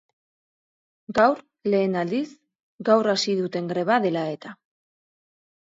Gaur, lehen aldiz, gaur hasi duten greba dela eta.